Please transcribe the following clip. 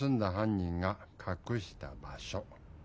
人がかくした場所。